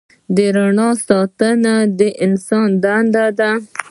د رڼا ساتنه د انسان دنده ده.